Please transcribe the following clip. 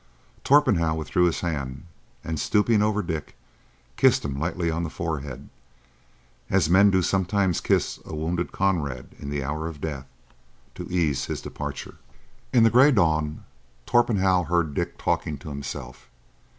Torpenhow withdrew his hand, and, stooping over Dick, kissed him lightly on the forehead, as men do sometimes kiss a wounded comrade in the hour of death, to ease his departure. In the gray dawn Torpenhow heard Dick talking to himself.